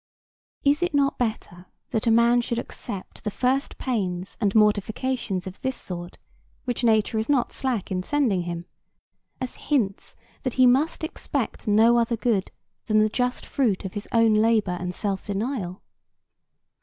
Is it not better that a man should accept the first pains and mortifications of this sort, which nature is not slack in sending him, as hints that he must expect no other good than the just fruit of his own labor and self denial?